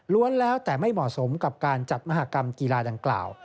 แล้วแต่ไม่เหมาะสมกับการจัดมหากรรมกีฬาดังกล่าว